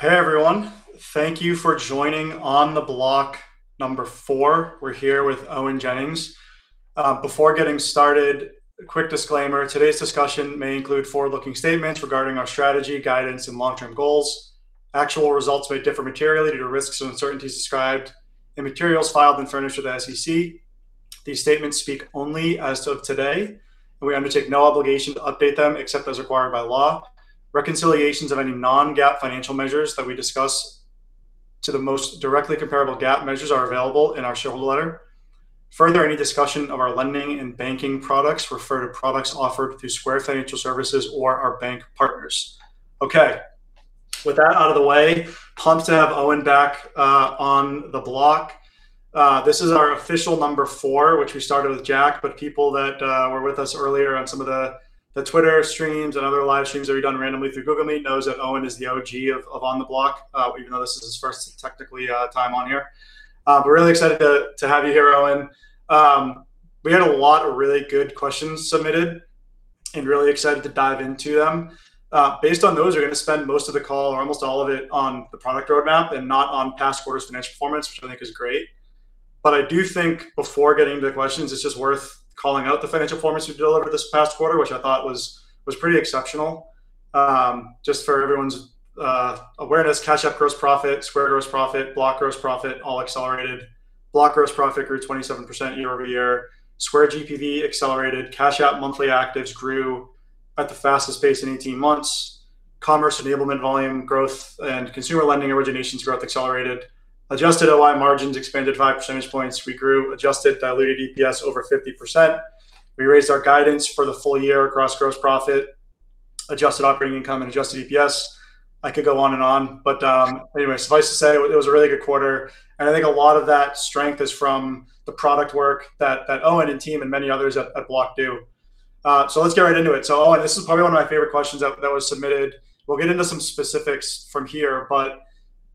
Hey everyone. Thank you for joining On the Block, Number Four. We're here with Owen Jennings. Before getting started, a quick disclaimer. Today's discussion may include forward-looking statements regarding our strategy, guidance, and long-term goals. Actual results may differ materially due to risks and uncertainties described in materials filed and furnished with the SEC. These statements speak only as of today, and we undertake no obligation to update them except as required by law. Reconciliations of any non-GAAP financial measures that we discuss to the most directly comparable GAAP measures are available in our shareholder letter. Further, any discussion of our lending and banking products refer to products offered through Square Financial Services or our bank partners. Okay, with that out of the way, pumped to have Owen back On the Block. This is our official Number Four, which we started with Jack, but people that were with us earlier on some of the Twitter streams and other live streams that we've done randomly through Google Meet knows that Owen is the OG of On the Block, even though this is his first, technically, time on here. We're really excited to have you here, Owen. We had a lot of really good questions submitted and really excited to dive into them. Based on those, we're going to spend most of the call, or almost all of it, on the product roadmap and not on past quarter's financial performance, which I think is great. I do think before getting to the questions, it's just worth calling out the financial performance we've delivered this past quarter, which I thought was pretty exceptional. Just for everyone's awareness, Cash App Gross Profit, Square Gross Profit, Block Gross Profit, all accelerated. Block Gross Profit grew 27% year-over-year. Square GPV accelerated. Cash App monthly actives grew at the fastest pace in 18 months. Commerce Enablement Volume growth and Consumer Lending Originations growth accelerated. Adjusted OI margins expanded five percentage points. We grew Adjusted Diluted EPS over 50%. We raised our guidance for the full year across Gross Profit, Adjusted Operating Income, and Adjusted EPS. I could go on and on, but anyway, suffice to say, it was a really good quarter, and I think a lot of that strength is from the product work that Owen and team and many others at Block do. Let's get right into it. Owen, this is probably one of my favorite questions that was submitted. We'll get into some specifics from here,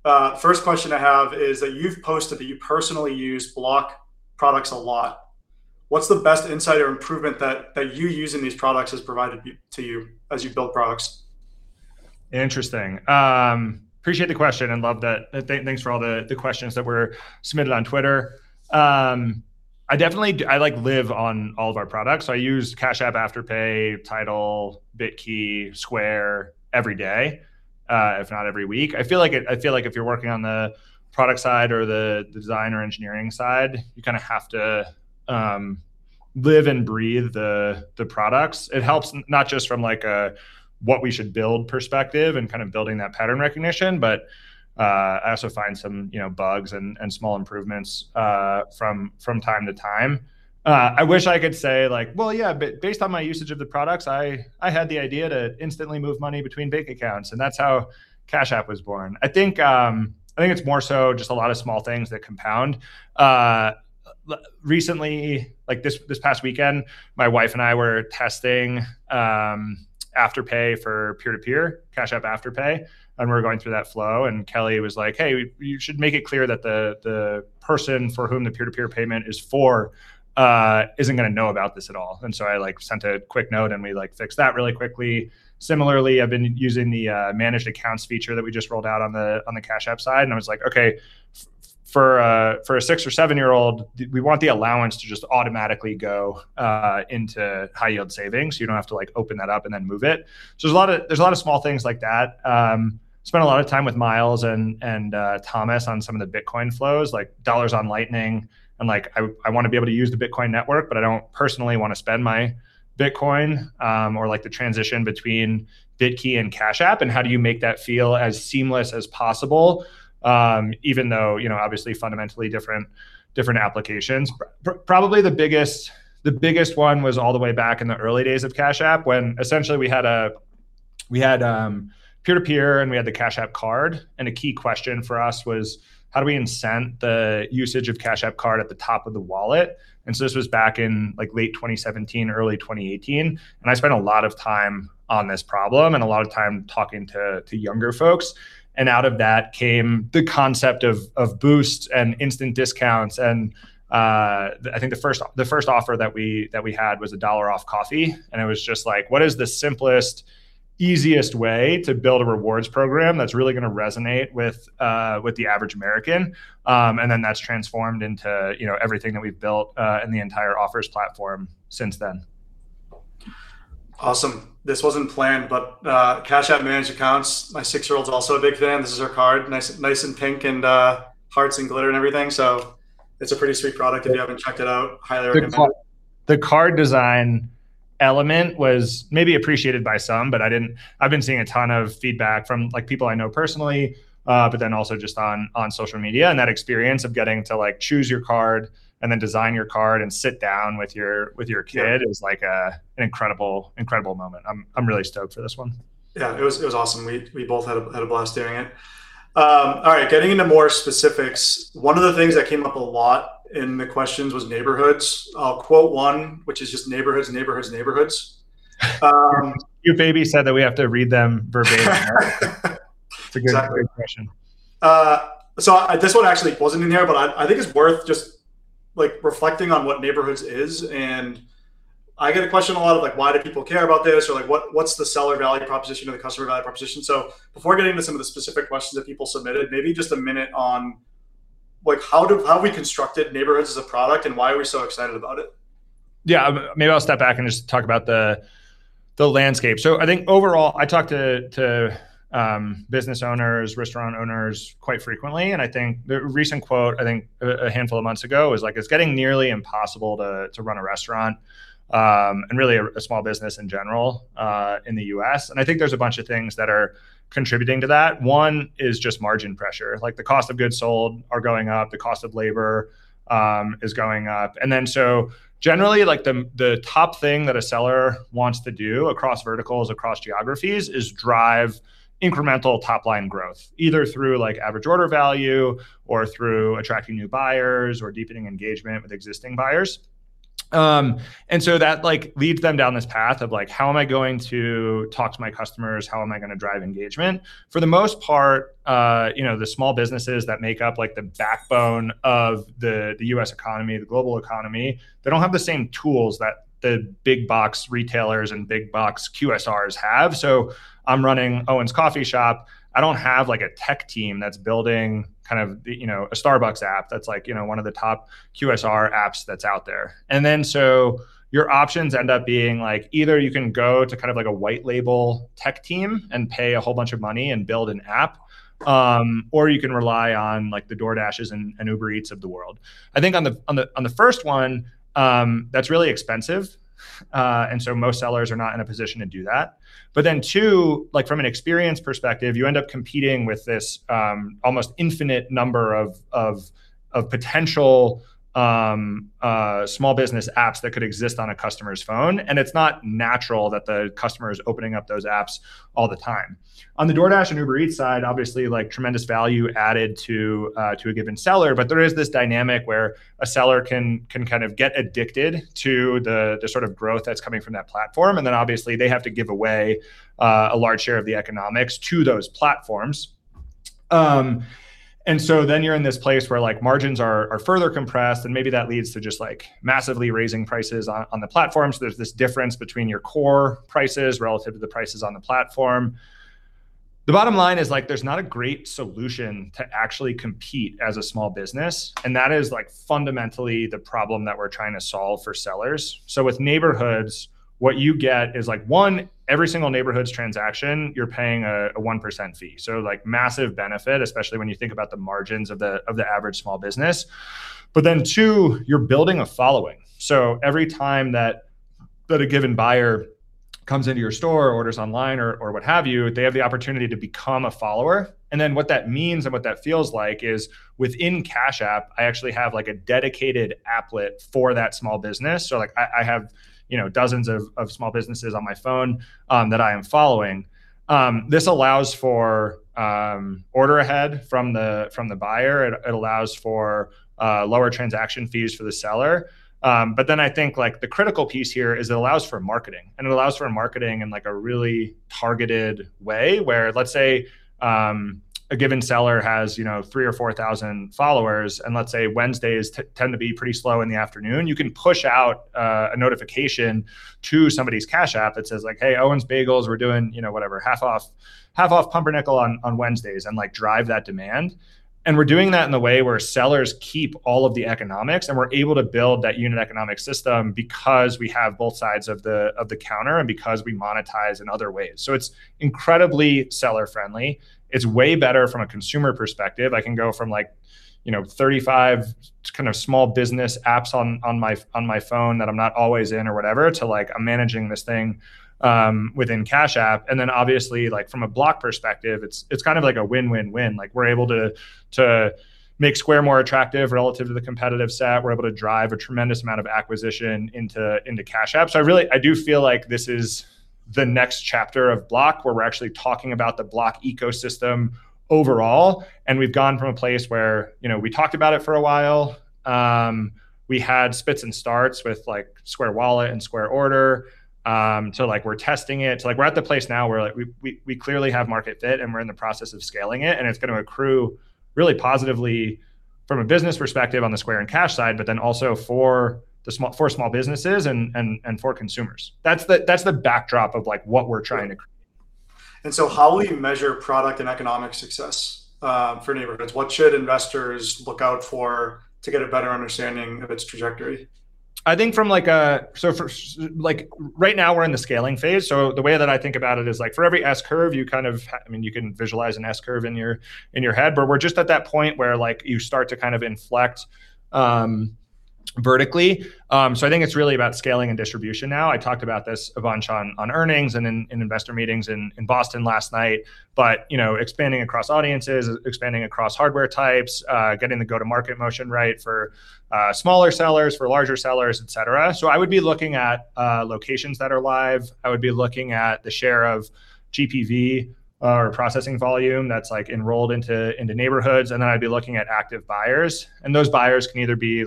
but first question I have is that you've posted that you personally use Block products a lot. What's the best insight or improvement that you using these products has provided to you as you build products? Interesting. Appreciate the question and love that. Thanks for all the questions that were submitted on Twitter. I use Cash App, Afterpay, TIDAL, Bitkey, Square every day, if not every week. If you're working on the product side or the design or engineering side, you kind of have to live and breathe the products. It helps not just from a what we should build perspective and kind of building that pattern recognition, but I also find some bugs and small improvements from time to time. I wish I could say, "Yeah, based on my usage of the products, I had the idea to instantly move money between bank accounts, and that's how Cash App was born." It's more so just a lot of small things that compound. Recently, like this past weekend, my wife and I were testing Afterpay for peer-to-peer, Cash App Afterpay, and we were going through that flow and Kelly was like, "Hey, you should make it clear that the person for whom the peer-to-peer payment is for isn't going to know about this at all." I sent a quick note and we fixed that really quickly. Similarly, I've been using the managed accounts feature that we just rolled out on the Cash App side, and I was like, okay, for a six or seven-year-old, we want the allowance to just automatically go into high yield savings. You don't have to open that up and then move it. There's a lot of small things like that. Spent a lot of time with Miles and Thomas on some of the Bitcoin flows, like Dollars on Lightning, and I want to be able to use the Bitcoin Network, but I don't personally want to spend my Bitcoin, or the transition between Bitkey and Cash App, and how do you make that feel as seamless as possible, even though obviously fundamentally different applications. Probably the biggest one was all the way back in the early days of Cash App, when essentially we had peer-to-peer and we had the Cash App Card, and a key question for us was how do we incent the usage of Cash App Card at the top of the wallet? This was back in late 2017, early 2018, and I spent a lot of time on this problem and a lot of time talking to younger folks, and out of that came the concept of Boosts and instant discounts and I think the first offer that we had was $1 off coffee, and it was just like what is the simplest, easiest way to build a rewards program that's really going to resonate with the average American? That's transformed into everything that we've built in the entire Offers platform since then. Awesome. This wasn't planned. Cash App Managed Accounts, my six-year-old's also a big fan. This is her card, nice and pink and hearts and glitter and everything. It's a pretty sweet product. If you haven't checked it out, highly recommend. The card design element was maybe appreciated by some, but I've been seeing a ton of feedback from people I know personally, but then also just on social media and that experience of getting to choose your card and then design your card and sit down with your kid is an incredible moment. I'm really stoked for this one. Yeah, it was awesome. We both had a blast doing it. All right, getting into more specifics, one of the things that came up a lot in the questions was Neighborhoods. I'll quote one, which is just, "Neighborhoods, Neighborhoods. Your baby said that we have to read them verbatim here. Exactly. It's a good question. This one actually wasn't in here, but I think it's worth just reflecting on what Neighborhoods is. I get a question a lot of, why do people care about this? Or what's the seller value proposition or the customer value proposition? Before getting into some of the specific questions that people submitted, maybe just a minute on how we constructed Neighborhoods as a product and why we're so excited about it. Yeah. Maybe I'll step back and just talk about the landscape. I think overall, I talk to business owners, restaurant owners quite frequently, and I think the recent quote, I think a handful of months ago, was, "It's getting nearly impossible to run a restaurant," and really a small business in general, in the U.S. I think there's a bunch of things that are contributing to that. One is just margin pressure. The cost of goods sold are going up, the cost of labor is going up. Generally, the top thing that a seller wants to do across verticals, across geographies, is drive incremental top-line growth, either through average order value or through attracting new buyers or deepening engagement with existing buyers. That leads them down this path of, how am I going to talk to my customers? How am I going to drive engagement? For the most part, the small businesses that make up the backbone of the U.S. economy, the global economy, they don't have the same tools that the big box retailers and big box QSRs have. I'm running Owen's Coffee Shop, I don't have a tech team that's building a Starbucks app that's one of the top QSR apps that's out there. Your options end up being either you can go to a white-label tech team and pay a whole bunch of money and build an app, or you can rely on the DoorDashes and Uber Eats of the world. I think on the first one, that's really expensive. Most sellers are not in a position to do that. Two, from an experience perspective, you end up competing with this almost infinite number of potential small business apps that could exist on a customer's phone, and it's not natural that the customer is opening up those apps all the time. On the DoorDash and Uber Eats side, obviously tremendous value added to a given seller, but there is this dynamic where a seller can get addicted to the growth that's coming from that platform, and then obviously they have to give away a large share of the economics to those platforms. You're in this place where margins are further compressed, and maybe that leads to just massively raising prices on the platform. There's this difference between your core prices relative to the prices on the platform. The bottom line is there's not a great solution to actually compete as a small business, that is fundamentally the problem that we're trying to solve for sellers. With Neighborhoods, what you get is, one, every single Neighborhoods transaction, you're paying a 1% fee. Massive benefit, especially when you think about the margins of the average small business. Two, you're building a following. Every time that a given buyer comes into your store or orders online or what have you, they have the opportunity to become a follower. What that means and what that feels like is within Cash App, I actually have a dedicated applet for that small business. I have dozens of small businesses on my phone that I am following. This allows for order ahead from the buyer. It allows for lower transaction fees for the seller. I think the critical piece here is it allows for marketing, and it allows for marketing in a really targeted way, where let's say a given seller has 3,000 or 4,000 followers, and let's say Wednesdays tend to be pretty slow in the afternoon. You can push out a notification to somebody's Cash App that says, "Hey, Owen's Bagels, we're doing whatever, half off pumpernickel on Wednesdays," and drive that demand. We're doing that in the way where sellers keep all of the economics, and we're able to build that unit economic system because we have both sides of the counter and because we monetize in other ways. It's incredibly seller-friendly. It's way better from a consumer perspective. I can go from 35 small business apps on my phone that I'm not always in or whatever to I'm managing this thing within Cash App. Obviously from a Block perspective, it's kind of like a win-win-win. We're able to make Square more attractive relative to the competitive set. We're able to drive a tremendous amount of acquisition into Cash App. I do feel like this is the next chapter of Block, where we're actually talking about the Block ecosystem overall, we've gone from a place where we talked about it for a while, we had spits and starts with Square Wallet and Square Order, to we're testing it, to we're at the place now where we clearly have market fit and we're in the process of scaling it's going to accrue really positively from a business perspective on the Square and Cash side, also for small businesses and for consumers. That's the backdrop of what we're trying to create. How will you measure product and economic success for Neighborhoods? What should investors look out for to get a better understanding of its trajectory? Right now we're in the scaling phase, the way that I think about it is for every S-curve, you can visualize an S-curve in your head, but we're just at that point where you start to kind of inflect vertically. I think it's really about scaling and distribution now. I talked about this a bunch on earnings and in investor meetings in Boston last night. Expanding across audiences, expanding across hardware types, getting the go-to-market motion right for smaller sellers, for larger sellers, et cetera. I would be looking at locations that are live. I would be looking at the share of GPV or processing volume that's enrolled into Neighborhoods, and then I'd be looking at active buyers. Those buyers can either be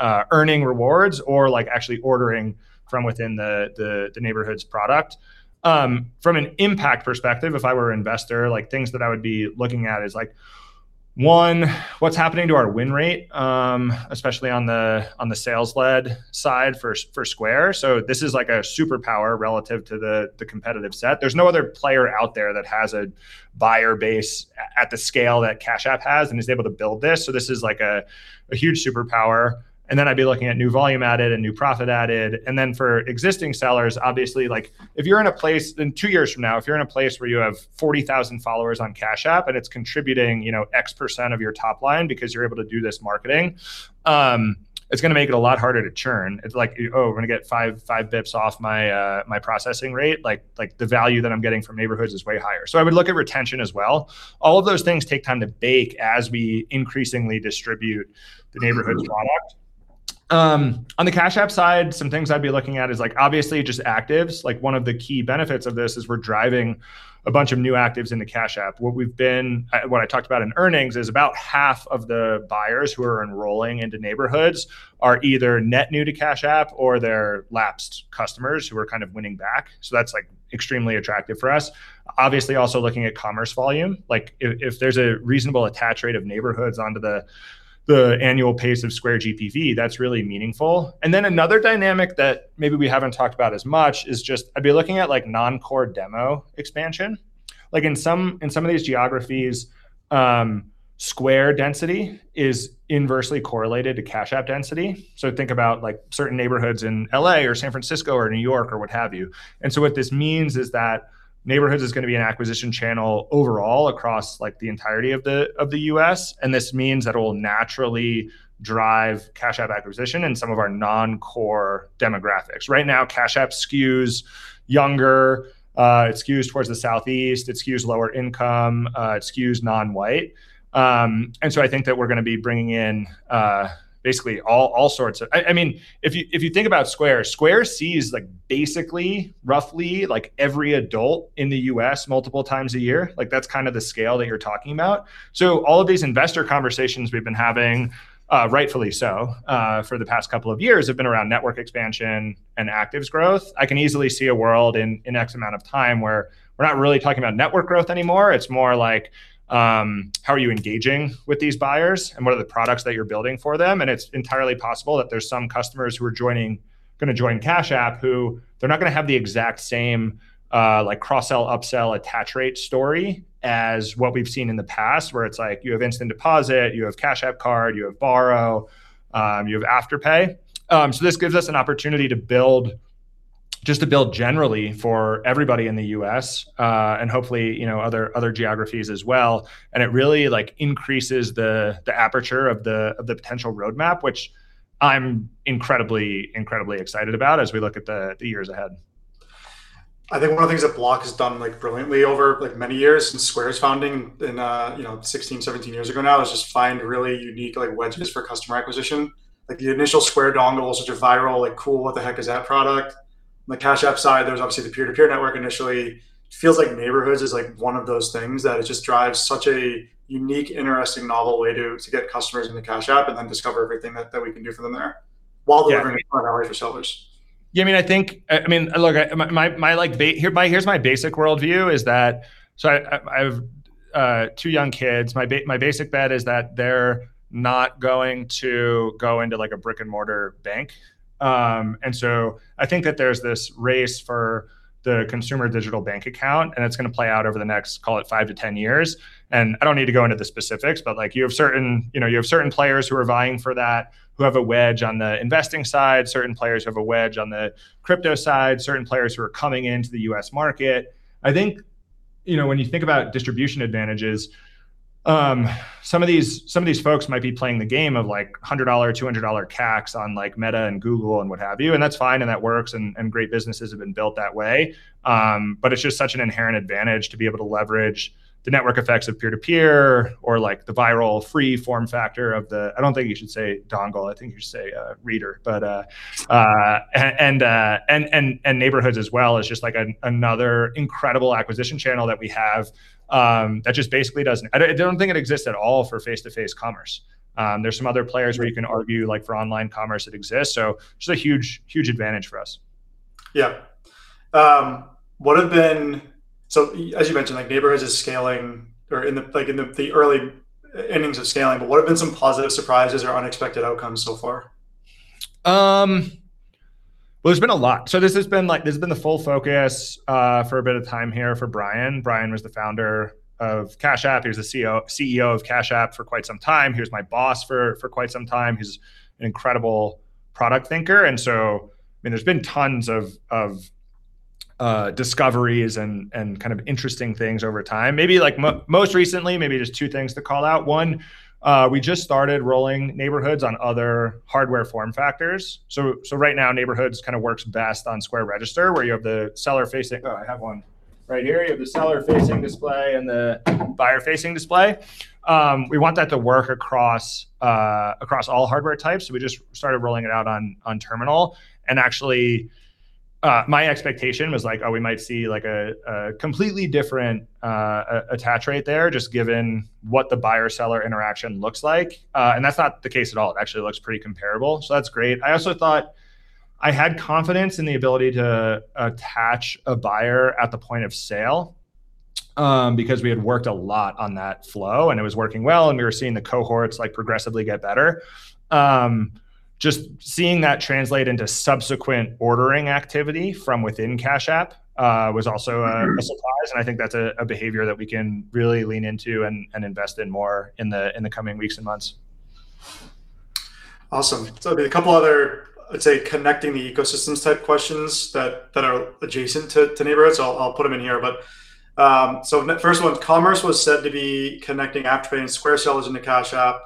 earning rewards or actually ordering from within the Neighborhoods product. From an impact perspective, if I were an investor, things that I would be looking at is like. One, what's happening to our win rate, especially on the sales-led side for Square. This is like a superpower relative to the competitive set. There's no other player out there that has a buyer base at the scale that Cash App has and is able to build this. This is like a huge superpower. Then I'd be looking at new volume added and new profit added. Then for existing sellers, obviously, two years from now, if you're in a place where you have 40,000 followers on Cash App and it's contributing X percent of your top line because you're able to do this marketing, it's going to make it a lot harder to churn. It's like, "Oh, we're going to get 5 basis points off my processing rate. The value that I'm getting from Neighborhoods is way higher." I would look at retention as well. All of those things take time to bake as we increasingly distribute the Neighborhoods product. On the Cash App side, some things I'd be looking at is obviously just actives. One of the key benefits of this is we're driving a bunch of new actives into Cash App. What I talked about in earnings is about half of the buyers who are enrolling into Neighborhoods are either net new to Cash App or they're lapsed customers who we're kind of winning back. That's extremely attractive for us. Obviously, also looking at commerce volume. If there's a reasonable attach rate of Neighborhoods onto the annual pace of Square GPV, that's really meaningful. Another dynamic that maybe we haven't talked about as much is just I'd be looking at non-core demo expansion. In some of these geographies, Square density is inversely correlated to Cash App density. Think about certain neighborhoods in L.A. or San Francisco or New York or what have you. What this means is that Neighborhoods is going to be an acquisition channel overall across the entirety of the U.S., and this means that it will naturally drive Cash App acquisition in some of our non-core demographics. Right now, Cash App skews younger. It skews towards the Southeast. It skews lower income. It skews non-white. If you think about Square sees basically roughly every adult in the U.S. multiple times a year. That's kind of the scale that you're talking about. All of these investor conversations we've been having, rightfully so, for the past couple of years have been around network expansion and actives growth. I can easily see a world in X amount of time where we're not really talking about network growth anymore. It's more like, how are you engaging with these buyers, and what are the products that you're building for them? It's entirely possible that there's some customers who are going to join Cash App who they're not going to have the exact same cross-sell, upsell, attach rate story as what we've seen in the past, where it's like you have Instant Deposit, you have Cash App Card, you have Borrow, you have Afterpay. This gives us an opportunity to build just generally for everybody in the U.S., and hopefully other geographies as well. It really increases the aperture of the potential roadmap, which I'm incredibly excited about as we look at the years ahead. I think one of the things that Block has done brilliantly over many years since Square's founding 16, 17 years ago now is just find really unique wedges for customer acquisition. The initial Square dongle, such a viral, cool, what the heck is that product? On the Cash App side, there was obviously the peer-to-peer network initially. It feels like Neighborhoods is one of those things that it just drives such a unique, interesting, novel way to get customers into Cash App and then discover everything that we can do for them there while delivering. Yeah Margin hours for sellers. Here's my basic worldview is that, so I have two young kids. I think that there's this race for the consumer digital bank account, and it's going to play out over the next, call it 5 to 10 years. I don't need to go into the specifics, but you have certain players who are vying for that who have a wedge on the investing side, certain players who have a wedge on the crypto side, certain players who are coming into the U.S. market. I think when you think about distribution advantages, some of these folks might be playing the game of $100, $200 CACs on Meta and Google and what have you, and that's fine, and that works, and great businesses have been built that way. It's just such an inherent advantage to be able to leverage the network effects of peer-to-peer or the viral free form factor of the, I don't think you should say dongle, I think you should say reader. Neighborhoods as well is just another incredible acquisition channel that we have. I don't think it exists at all for face-to-face commerce. There's some other players where you can argue for online commerce it exists, so just a huge advantage for us. Yeah. As you mentioned, Neighborhoods is scaling, or in the early innings of scaling, but what have been some positive surprises or unexpected outcomes so far? Well, there's been a lot. This has been the full focus for a bit of time here for Brian. Brian was the Founder of Cash App. He was the Chief Executive Officer of Cash App for quite some time. He was my boss for quite some time. He's an incredible product thinker, there's been tons of discoveries and kind of interesting things over time. Most recently, maybe just two things to call out. One, we just started rolling Neighborhoods on other hardware form factors. Right now, Neighborhoods kind of works best on Square Register, where you have the seller-facing, I have one right here. You have the seller-facing display and the buyer-facing display. We want that to work across all hardware types, we just started rolling it out on Terminal. Actually, my expectation was like, we might see a completely different attach rate there, just given what the buyer-seller interaction looks like. That's not the case at all. It actually looks pretty comparable, so that's great. I also thought I had confidence in the ability to attach a buyer at the point of sale, because we had worked a lot on that flow and it was working well, and we were seeing the cohorts progressively get better. Just seeing that translate into subsequent ordering activity from within Cash App, was also a surprise. I think that's a behavior that we can really lean into and invest in more in the coming weeks and months. There'll be a couple other, I'd say, connecting the ecosystems type questions that are adjacent to Neighborhoods. I'll put them in here. First one, Commerce was said to be connecting Afterpay and Square sellers into Cash App.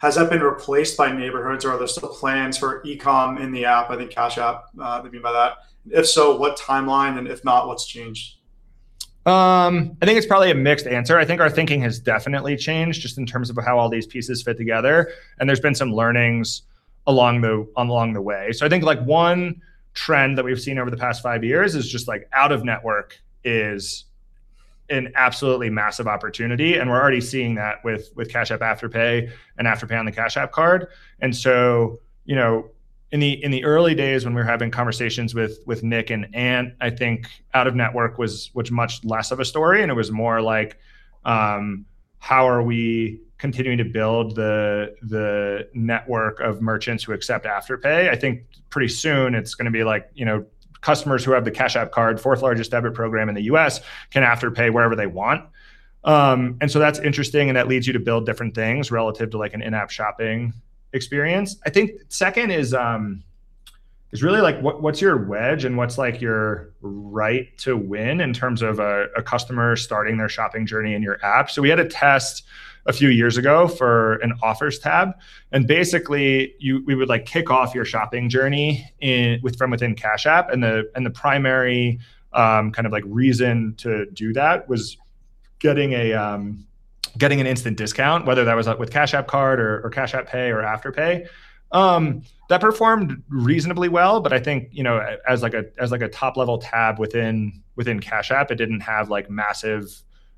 Has that been replaced by Neighborhoods or are there still plans for e-com in the app? If so, what timeline, and if not, what's changed? I think it's probably a mixed answer. I think our thinking has definitely changed just in terms of how all these pieces fit together, and there's been some learnings along the way. I think one trend that we've seen over the past five years is just out of network is an absolutely massive opportunity, and we're already seeing that with Cash App Afterpay and Afterpay on the Cash App Card. In the early days when we were having conversations with Nick and Anth, I think out of network was much less of a story, and it was more like, how are we continuing to build the network of merchants who accept Afterpay? I think pretty soon it's going to be customers who have the Cash App Card, fourth largest debit program in the U.S., can Afterpay wherever they want. That's interesting, and that leads you to build different things relative to an in-app shopping experience. I think second is really what's your wedge and what's your right to win in terms of a customer starting their shopping journey in your app? We had a test a few years ago for an offers tab, and basically, we would kick off your shopping journey from within Cash App and the primary kind of reason to do that was getting an instant discount, whether that was with Cash App Card or Cash App Pay or Afterpay. That performed reasonably well, but I think as like a top-level tab within Cash App, it didn't have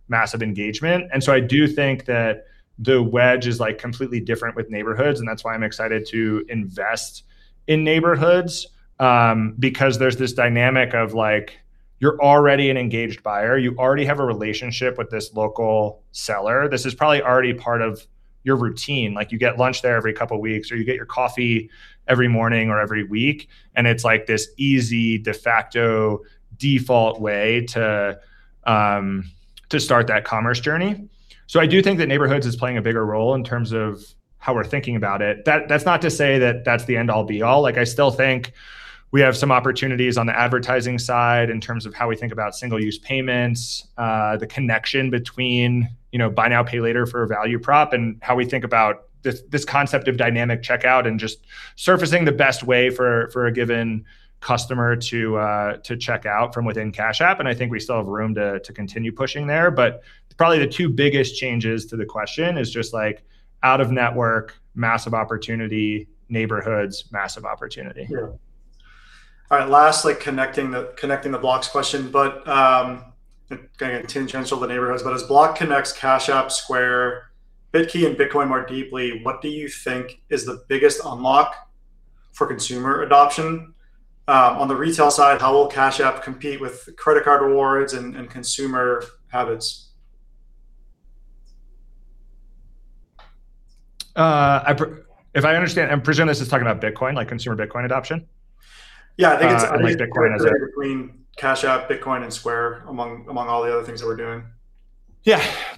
massive engagement. I do think that the wedge is completely different with Neighborhoods, and that's why I'm excited to invest in Neighborhoods. Because there's this dynamic of you're already an engaged buyer. You already have a relationship with this local seller. This is probably already part of your routine. You get lunch there every couple weeks, or you get your coffee every morning or every week, and it's like this easy, de facto default way to start that commerce journey. I do think that Neighborhoods is playing a bigger role in terms of how we're thinking about it. That's not to say that that's the end-all be-all. I still think we have some opportunities on the advertising side in terms of how we think about single-use payments, the connection between buy now, pay later for a value prop, and how we think about this concept of dynamic checkout and just surfacing the best way for a given customer to check out from within Cash App. I think we still have room to continue pushing there. Probably the two biggest changes to the question is just out-of-network, massive opportunity, Neighborhoods, massive opportunity. Yeah. All right. Last, connecting the Block question, getting it to transfer the Neighborhoods. As Block connects Cash App, Square, Bitkey and Bitcoin more deeply, what do you think is the biggest unlock for consumer adoption? On the retail side, how will Cash App compete with credit card rewards and consumer habits? If I understand, I'm presuming this is talking about Bitcoin, like consumer Bitcoin adoption? Yeah, I think. Like Bitcoin. Between Cash App, Bitcoin, and Square, among all the other things that we're doing.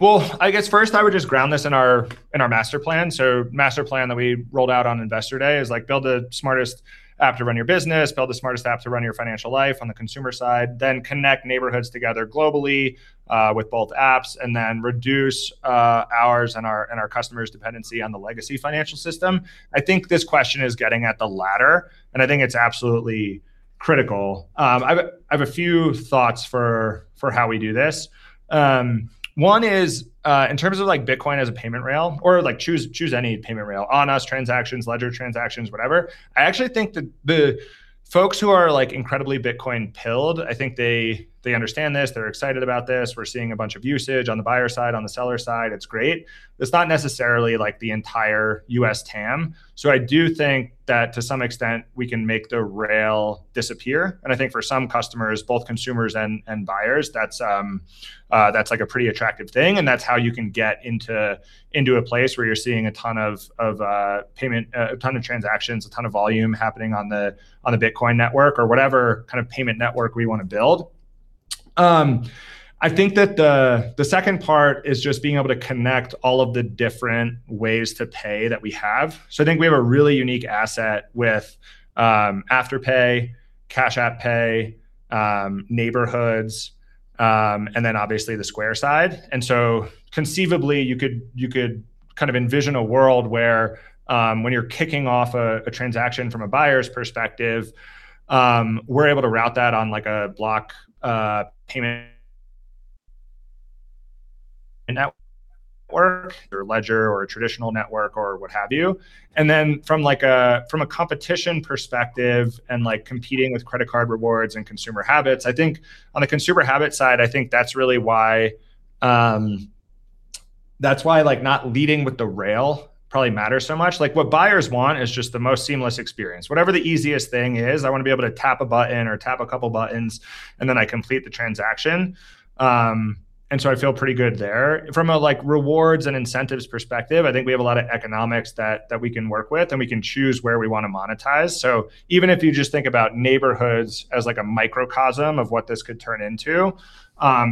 Well, first I would just ground this in our Master Plan. Master Plan that we rolled out on Investor Day is build the smartest app to run your business, build the smartest app to run your financial life on the consumer side, then connect Neighborhoods together globally with both apps, and then reduce ours and our customers' dependency on the legacy financial system. I think this question is getting at the latter, and I think it is absolutely critical. I have a few thoughts for how we do this. One is, in terms of Bitcoin as a payment rail or choose any payment rail. on-us transactions, ledger transactions, whatever. I actually think that the folks who are incredibly Bitcoin pilled, I think they understand this. They are excited about this. We are seeing a bunch of usage on the buyer side, on the seller side. It is great. It's not necessarily the entire U.S. TAM. I do think that to some extent, we can make the rail disappear, and I think for some customers, both consumers and buyers, that's a pretty attractive thing, and that's how you can get into a place where you're seeing a ton of transactions, a ton of volume happening on the Bitcoin Network or whatever kind of payment network we want to build. I think that the second part is just being able to connect all of the different ways to pay that we have. I think we have a really unique asset with Afterpay, Cash App Pay, Neighborhoods, and then obviously the Square side. Conceivably, you could kind of envision a world where, when you're kicking off a transaction from a buyer's perspective, we're able to route that on a Block Payment Network or ledger or a traditional network or what have you. From a competition perspective and competing with credit card rewards and consumer habits, I think on the consumer habit side, I think that's really why not leading with the rail probably matters so much. What buyers want is just the most seamless experience. Whatever the easiest thing is, I want to be able to tap a button or tap a couple buttons, and then I complete the transaction. I feel pretty good there. From a rewards and incentives perspective, I think we have a lot of economics that we can work with, and we can choose where we want to monetize. Even if you just think about Neighborhoods as a microcosm of what this could turn into,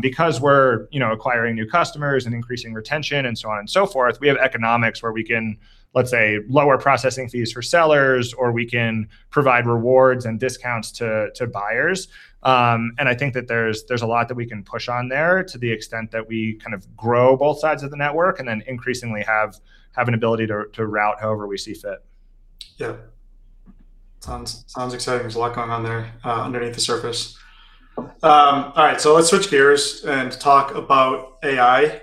because we're acquiring new customers and increasing retention and so on and so forth, we have economics where we can, let's say, lower processing fees for sellers, or we can provide rewards and discounts to buyers. I think that there's a lot that we can push on there to the extent that we kind of grow both sides of the network and then increasingly have an ability to route however we see fit. Yeah. Sounds exciting. There's a lot going on there underneath the surface. All right, let's switch gears and talk about AI.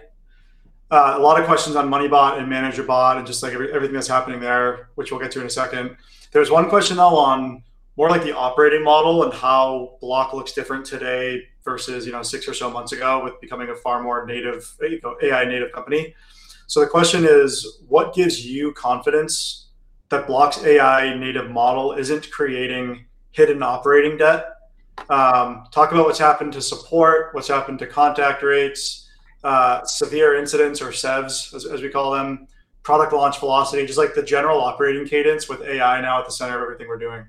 A lot of questions on MoneyBot and ManagerBot and just everything that's happening there, which we'll get to in a second. There's one question, though, on more like the operating model and how Block looks different today versus six or so months ago with becoming a far more AI-native company. The question is, what gives you confidence that Block's AI-native model isn't creating hidden operating debt? Talk about what's happened to support, what's happened to contact rates, severe incidents or SEVs, as we call them, product launch velocity, just the general operating cadence with AI now at the center of everything we're doing.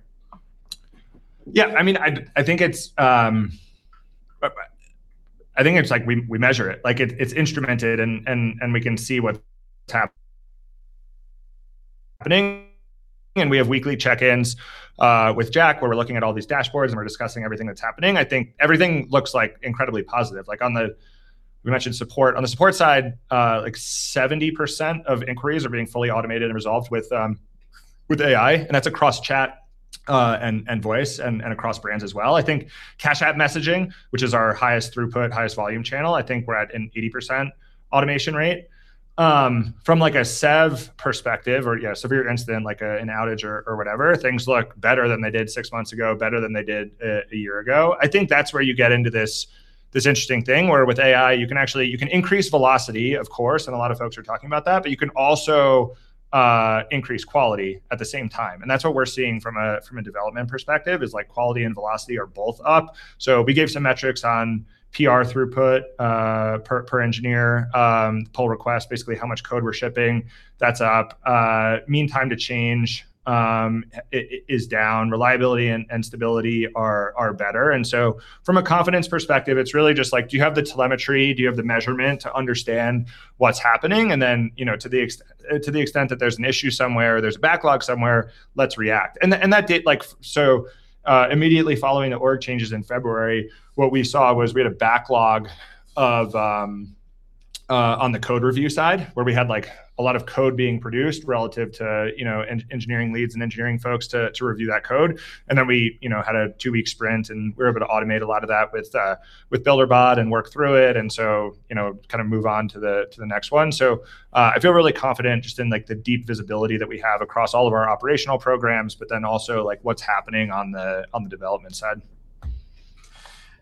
I think it's like we measure it. It's instrumented, and we can see what's happening, and we have weekly check-ins with Jack, where we're looking at all these dashboards, and we're discussing everything that's happening. I think everything looks incredibly positive. We mentioned support. On the support side, 70% of inquiries are being fully automated and resolved with AI, and that's across chat and voice and across brands as well. I think Cash App messaging, which is our highest throughput, highest volume channel, I think we're at an 80% automation rate. From a SEV perspective or, yeah, severe incident, like an outage or whatever, things look better than they did six months ago, better than they did one year ago. I think that's where you get into this interesting thing, where with AI, you can increase velocity, of course, and a lot of folks are talking about that, but you can also increase quality at the same time. That's what we're seeing from a development perspective is quality and velocity are both up. We gave some metrics on PR throughput per engineer, pull requests, basically how much code we're shipping. That's up. Mean time to change is down. Reliability and stability are better. From a confidence perspective, it's really just like, do you have the telemetry? Do you have the measurement to understand what's happening? To the extent that there's an issue somewhere, there's a backlog somewhere, let's react. Immediately following the org changes in February, what we saw was we had a backlog on the code review side, where we had a lot of code being produced relative to engineering leads and engineering folks to review that code. We had a two-week sprint, we were able to automate a lot of that with BuilderBot and work through it kind of move on to the next one. I feel really confident just in the deep visibility that we have across all of our operational programs, also what's happening on the development side.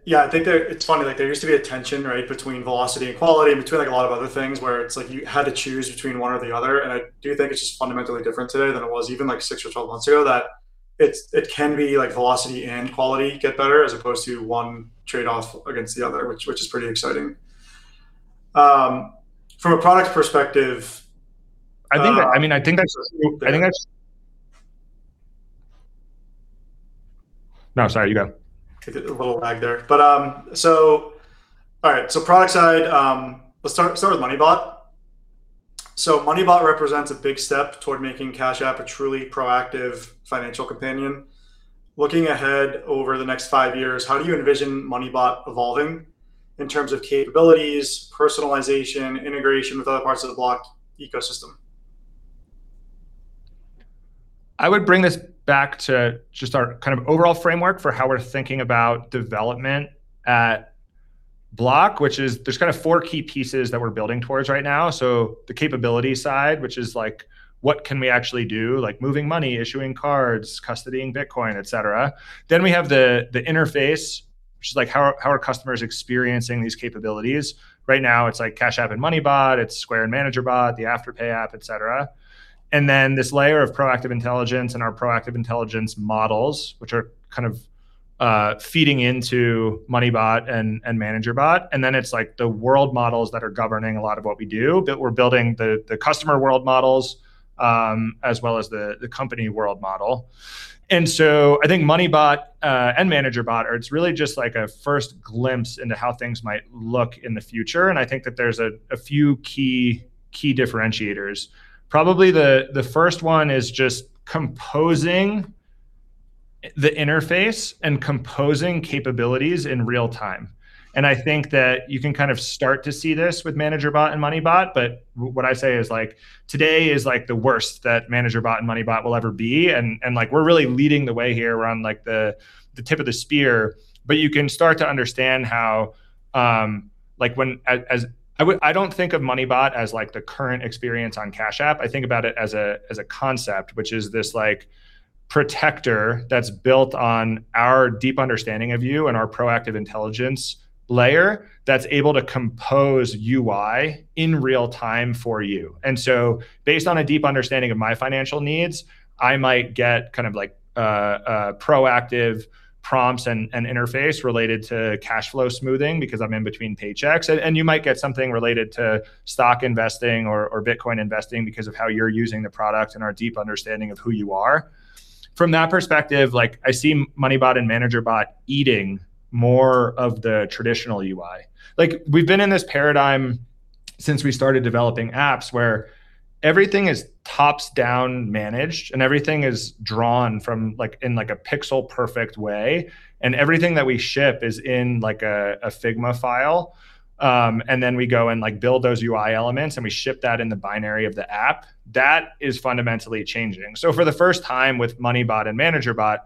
Yeah. I think it's funny. There used to be a tension, right, between velocity and quality and between a lot of other things where it's like you had to choose between one or the other. I do think it's just fundamentally different today than it was even six or 12 months ago, that it can be velocity and quality get better as opposed to one trade-off against the other, which is pretty exciting. I think. No, sorry. You go. A little lag there. All right. Product side, let's start with MoneyBot. MoneyBot represents a big step toward making Cash App a truly proactive financial companion. Looking ahead over the next five years, how do you envision MoneyBot evolving in terms of capabilities, personalization, integration with other parts of the Block ecosystem? I would bring this back to just our kind of overall framework for how we're thinking about development at Block, which is there's kind of four key pieces that we're building towards right now. The capability side, which is: what can we actually do? Moving money, issuing cards, custodying Bitcoin, et cetera. We have the interface, which is how are customers experiencing these capabilities? Right now, it's Cash App and MoneyBot, it's Square and ManagerBot, the Afterpay app, et cetera. This layer of proactive intelligence and our proactive intelligence models, which are kind of feeding into MoneyBot and ManagerBot. It's the world models that are governing a lot of what we do, that we're building the customer world models, as well as the company world model. I think MoneyBot and ManagerBot are really just a first glimpse into how things might look in the future, and I think that there's a few key differentiators. Probably the first one is just composing the interface and composing capabilities in real time. I think that you can kind of start to see this with ManagerBot and MoneyBot, but what I say is today is the worst that ManagerBot and MoneyBot will ever be. We're really leading the way here. We're on the tip of the spear. You can start to understand how I don't think of MoneyBot as the current experience on Cash App. I think about it as a concept, which is this like protector that's built on our deep understanding of you and our proactive intelligence layer that's able to compose UI in real time for you. Based on a deep understanding of my financial needs, I might get kind of like proactive prompts and interface related to cash flow smoothing because I'm in between paychecks. You might get something related to stock investing or Bitcoin investing because of how you're using the product and our deep understanding of who you are. From that perspective, I see MoneyBot and ManagerBot eating more of the traditional UI. We've been in this paradigm since we started developing apps where everything is tops-down managed and everything is drawn in a pixel-perfect way, and everything that we ship is in like a Figma file. Then we go and build those UI elements, and we ship that in the binary of the app. That is fundamentally changing. For the first time with MoneyBot and ManagerBot,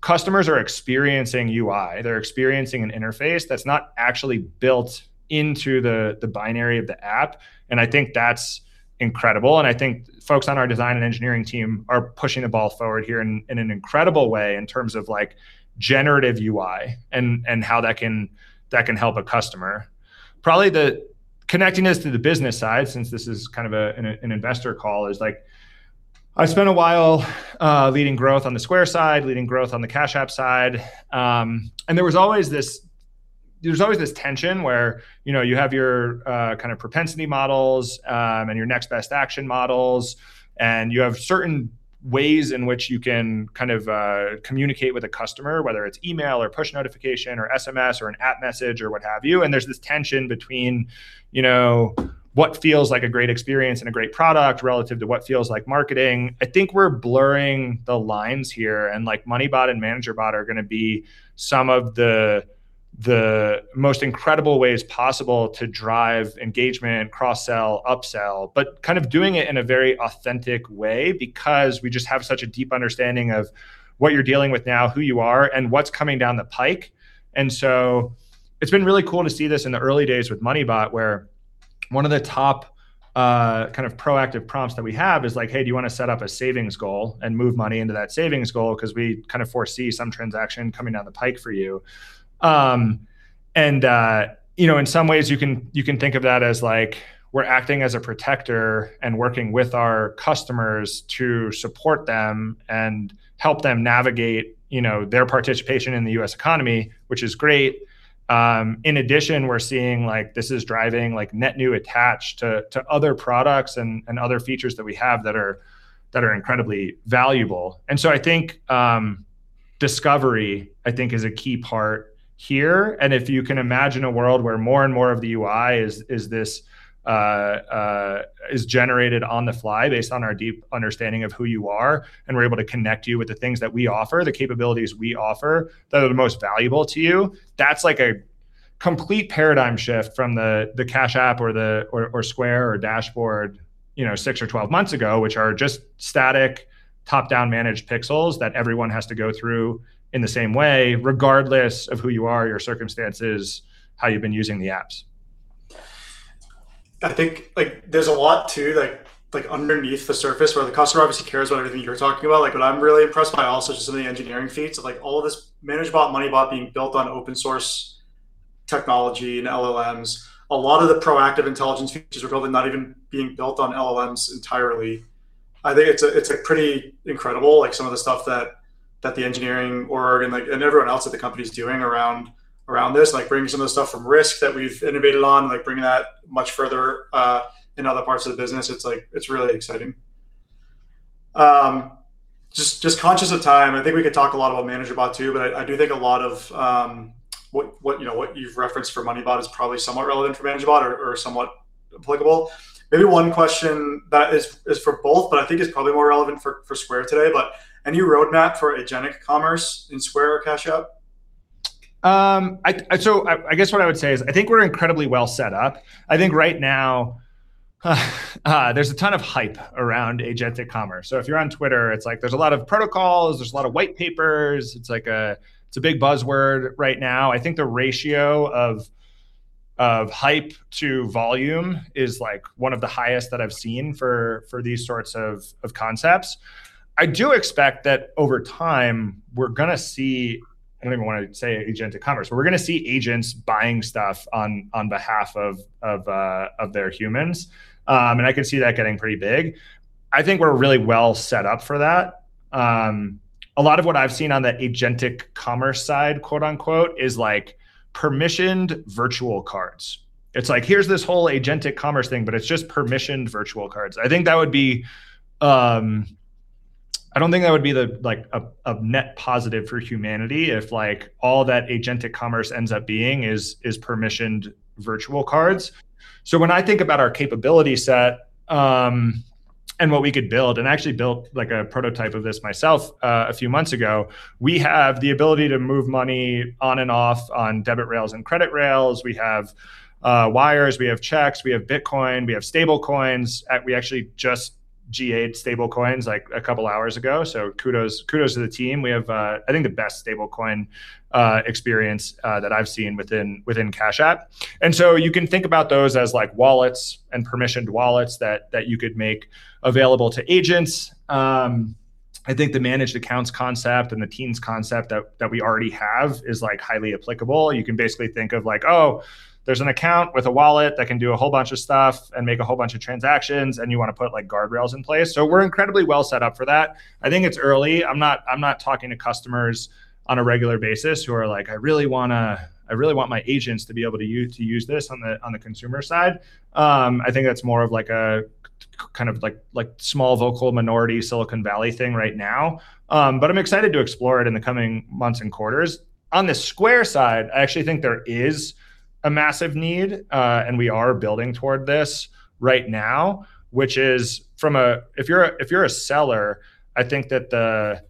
customers are experiencing UI. They're experiencing an interface that's not actually built into the binary of the app, and I think that's incredible. I think folks on our design and engineering team are pushing the ball forward here in an incredible way in terms of Generative UI and how that can help a customer. Probably the connectedness to the business side, since this is kind of an investor call, is I spent a while leading growth on the Square side, leading growth on the Cash App side. There's always this tension where you have your kind of propensity models, and your next best action models, and you have certain ways in which you can kind of communicate with a customer, whether it's email or push notification or SMS or an app message or what have you. There's this tension between what feels like a great experience and a great product relative to what feels like marketing. I think we're blurring the lines here, and MoneyBot and ManagerBot are going to be some of the most incredible ways possible to drive engagement, cross-sell, up-sell, but kind of doing it in a very authentic way because we just have such a deep understanding of what you're dealing with now, who you are, and what's coming down the pike. It's been really cool to see this in the early days with MoneyBot, where one of the top kind of proactive prompts that we have is like, "Hey, do you want to set up a savings goal and move money into that savings goal? Because we kind of foresee some transaction coming down the pike for you." In some ways you can think of that as we're acting as a protector and working with our customers to support them and help them navigate their participation in the U.S. economy, which is great. In addition, we're seeing this is driving net new attach to other products and other features that we have that are incredibly valuable. I think discovery is a key part here. If you can imagine a world where more and more of the UI is generated on the fly based on our deep understanding of who you are, and we're able to connect you with the things that we offer, the capabilities we offer that are the most valuable to you, that's a complete paradigm shift from the Cash App or Square or Dashboard six or 12 months ago, which are just static, top-down managed pixels that everyone has to go through in the same way regardless of who you are, your circumstances, how you've been using the apps. I think there's a lot too underneath the surface where the customer obviously cares about everything you're talking about. What I'm really impressed by also is just some of the engineering feats, like all of this ManagerBot, MoneyBot being built on open source technology and LLMs. A lot of the proactive intelligence features are probably not even being built on LLMs entirely. I think it's pretty incredible some of the stuff that the engineering org and everyone else at the company is doing around this. Like bringing some of the stuff from risk that we've innovated on, bringing that much further in other parts of the business. It's really exciting. Just conscious of time, I think we could talk a lot about ManagerBot too, but I do think a lot of what you've referenced for MoneyBot is probably somewhat relevant for ManagerBot or somewhat applicable. Maybe one question that is for both, but I think it's probably more relevant for Square today, but any roadmap for agentic commerce in Square or Cash App? I guess what I would say is I think we're incredibly well set up. I think right now there's a ton of hype around agentic commerce. If you're on Twitter, it's like there's a lot of protocols, there's a lot of white papers. It's a big buzzword right now. I think the ratio of hype to volume is one of the highest that I've seen for these sorts of concepts. I do expect that over time we're going to see, I don't even want to say agentic commerce, but we're going to see agents buying stuff on behalf of their humans, and I could see that getting pretty big. I think we're really well set up for that. A lot of what I've seen on that agentic commerce side, quote unquote, is like permissioned virtual cards. It's like, here's this whole agentic commerce thing, but it's just permissioned virtual cards. I don't think that would be a net positive for humanity if all that agentic commerce ends up being is permissioned virtual cards. When I think about our capability set and what we could build, and actually built a prototype of this myself a few months ago, we have the ability to move money on and off on debit rails and credit rails. We have wires, we have checks, we have Bitcoin, we have stablecoins. We actually just GA'd stablecoins a couple of hours ago, so kudos to the team. We have I think the best stablecoin experience that I've seen within Cash App. You can think about those as wallets and permissioned wallets that you could make available to agents. I think the managed accounts concept and the teams concept that we already have is highly applicable. You can basically think of like, oh, there's an account with a wallet that can do a whole bunch of stuff and make a whole bunch of transactions, and you want to put like guardrails in place. We're incredibly well set up for that. I think it's early. I'm not talking to customers on a regular basis who are like, "I really want my agents to be able to use this on the consumer side." I think that's more of like a kind of like small vocal minority Silicon Valley thing right now. I'm excited to explore it in the coming months and quarters. On the Square side, I actually think there is a massive need, and we are building toward this right now, which is if you're a seller, I think that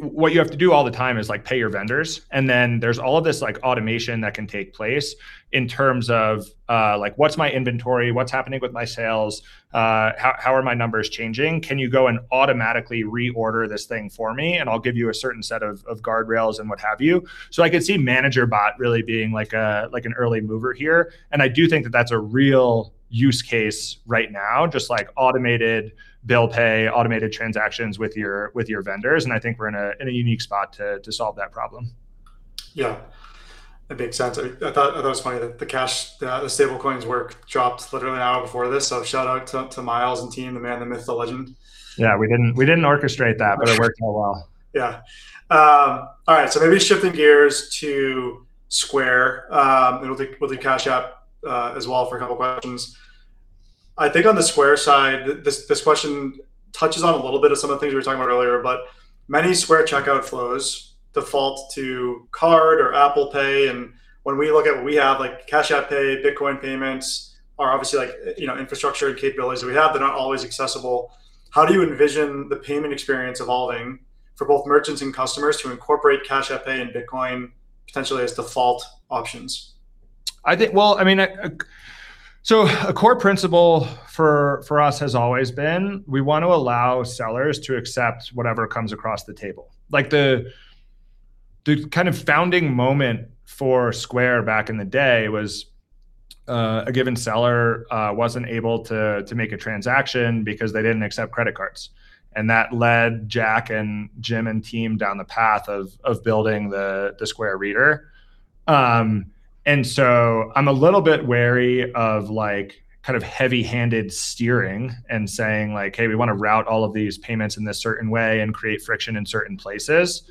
what you have to do all the time is pay your vendors, and then there's all of this automation that can take place in terms of like, "What's my inventory? What's happening with my sales? How are my numbers changing? Can you go and automatically reorder this thing for me, and I'll give you a certain set of guardrails," and what have you. I could see ManagerBot really being like an early mover here, and I do think that that's a real use case right now, just like automated Bill Pay, automated transactions with your vendors, and I think we're in a unique spot to solve that problem. That makes sense. I thought it was funny that the stablecoins work dropped literally an hour before this. Shout out to Miles and team, the man, the myth, the legend. Yeah, we didn't orchestrate that. For sure. It worked well. Yeah. All right. Maybe shifting gears to Square, and with the Cash App as well for a couple questions. I think on the Square side, this question touches on a little bit of some of the things we were talking about earlier, but many Square checkout flows default to card or Apple Pay. When we look at what we have, like Cash App Pay, Bitcoin payments, are obviously infrastructure and capabilities that we have that aren't always accessible. How do you envision the payment experience evolving for both merchants and customers to incorporate Cash App Pay and Bitcoin potentially as default options? A core principle for us has always been we want to allow sellers to accept whatever comes across the table. Like the kind of founding moment for Square back in the day was a given seller wasn't able to make a transaction because they didn't accept credit cards, and that led Jack and Jim and team down the path of building the Square Reader. I'm a little bit wary of like kind of heavy-handed steering and saying like, "Hey, we want to route all of these payments in this certain way and create friction in certain places."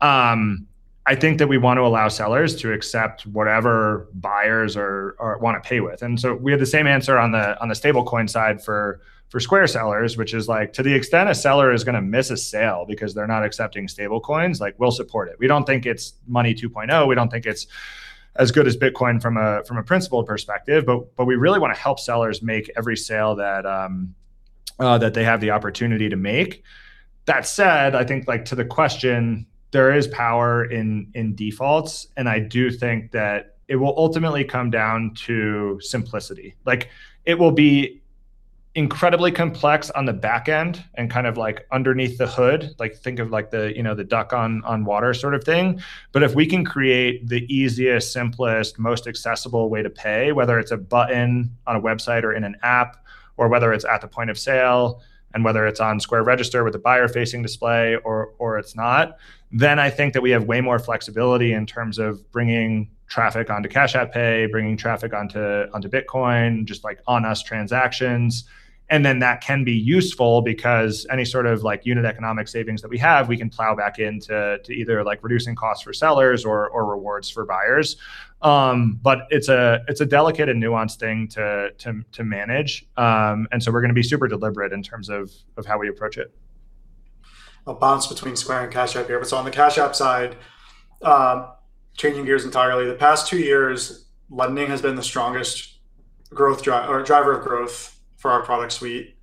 I think that we want to allow sellers to accept whatever buyers want to pay with. We have the same answer on the stablecoin side for Square sellers, which is like to the extent a seller is going to miss a sale because they're not accepting stablecoins, like we'll support it. We don't think it's money 2.0. We don't think it's as good as Bitcoin from a principled perspective, but we really want to help sellers make every sale that they have the opportunity to make. That said, I think like to the question, there is power in defaults, and I do think that it will ultimately come down to simplicity. It will be incredibly complex on the back end and kind of like underneath the hood, like think of like the duck on water sort of thing. If we can create the easiest, simplest, most accessible way to pay, whether it's a button on a website or in an app, or whether it's at the point of sale, and whether it's on Square Register with a buyer-facing display or it's not, then I think that we have way more flexibility in terms of bringing traffic onto Cash App Pay, bringing traffic onto Bitcoin, just like on us transactions. That can be useful because any sort of like unit economic savings that we have, we can plow back into either like reducing costs for sellers or rewards for buyers. It's a delicate and nuanced thing to manage. We're going to be super deliberate in terms of how we approach it. A bounce between Square and Cash App here. On the Cash App side, changing gears entirely, the past two years, lending has been the strongest driver of growth for our product suite,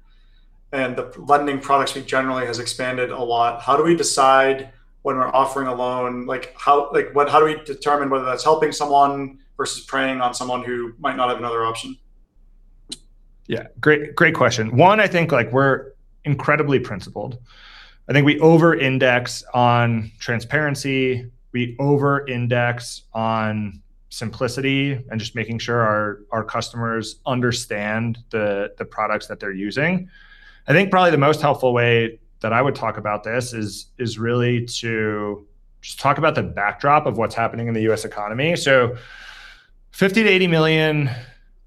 and the lending product suite generally has expanded a lot. How do we decide when we're offering a loan? Like how do we determine whether that's helping someone versus preying on someone who might not have another option? Great question. One, I think like we're incredibly principled. I think we over-index on transparency, we over-index on simplicity and just making sure our customers understand the products that they're using. I think probably the most helpful way that I would talk about this is really to just talk about the backdrop of what's happening in the U.S. economy. 50 million-80 million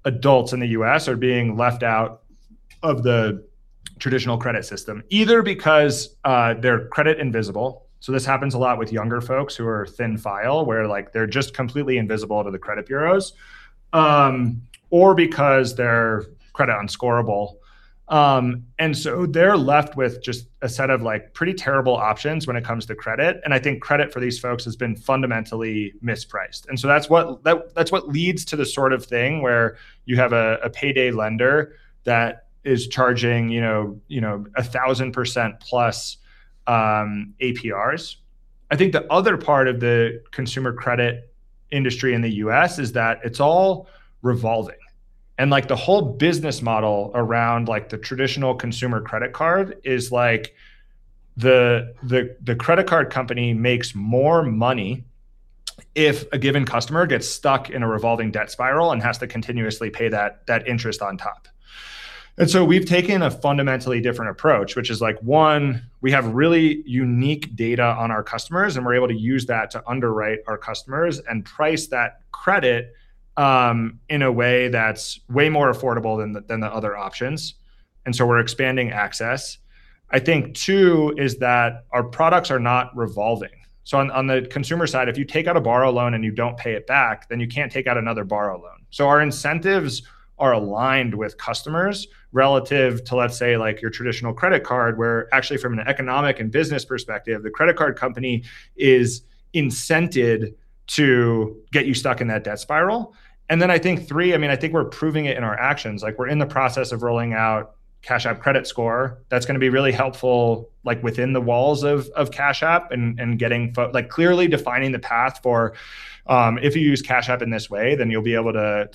adults in the U.S. are being left out of the traditional credit system, either because they're credit invisible, so this happens a lot with younger folks who are thin file, where like they're just completely invisible to the credit bureaus, or because they're credit unscorable. They're left with just a set of like pretty terrible options when it comes to credit, and I think credit for these folks has been fundamentally mispriced. That's what leads to the sort of thing where you have a payday lender that is charging a thousand percent plus APRs. I think the other part of the consumer credit industry in the U.S. is that it's all revolving, and like the whole business model around like the traditional consumer credit card is like the credit card company makes more money-if a given customer gets stuck in a revolving debt spiral and has to continuously pay that interest on top. We've taken a fundamentally different approach, which is like, one, we have really unique data on our customers, and we're able to use that to underwrite our customers and price that credit in a way that's way more affordable than the other options. We're expanding access. I think, two is that our products are not revolving. On the consumer side, if you take out a Borrow loan and you don't pay it back, then you can't take out another Borrow loan. Our incentives are aligned with customers relative to, let's say, your traditional credit card, where actually from an economic and business perspective, the credit card company is incented to get you stuck in that debt spiral. I think three, I think we're proving it in our actions. We're in the process of rolling out Cash App Score that's going to be really helpful within the walls of Cash App and clearly defining the path for, if you use Cash App in this way, then you'll be able to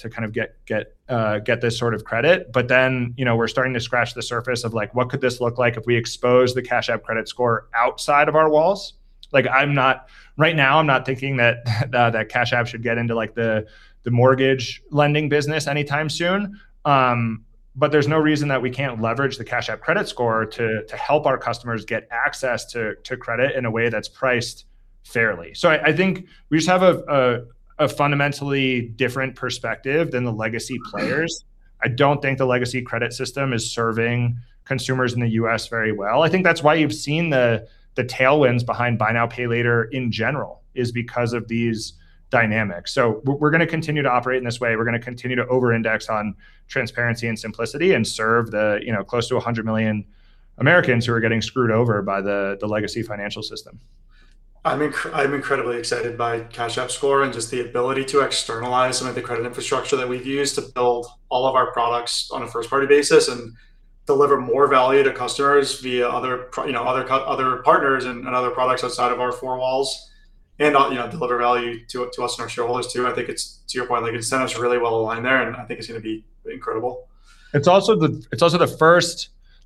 get this sort of credit. We're starting to scratch the surface of what could this look like if we expose the Cash App Score outside of our walls. Right now, I'm not thinking that Cash App should get into the mortgage lending business anytime soon, but there's no reason that we can't leverage the Cash App credit score to help our customers get access to credit in a way that's priced fairly. I think we just have a fundamentally different perspective than the legacy players. I don't think the legacy credit system is serving consumers in the U.S. very well. I think that's why you've seen the tailwinds behind buy now, pay later in general is because of these dynamics. We're going to continue to operate in this way. We're going to continue to over-index on transparency and simplicity and serve the close to 100 million Americans who are getting screwed over by the legacy financial system. I'm incredibly excited by Cash App Score and just the ability to externalize some of the credit infrastructure that we've used to build all of our products on a first-party basis and deliver more value to customers via other partners and other products outside of our four walls and deliver value to us and our shareholders, too. I think it's, to your point, incentives really well aligned there, and I think it's going to be incredible.